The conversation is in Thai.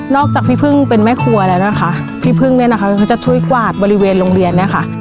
จากพี่พึ่งเป็นแม่ครัวแล้วนะคะพี่พึ่งเนี่ยนะคะเขาจะช่วยกวาดบริเวณโรงเรียนเนี่ยค่ะ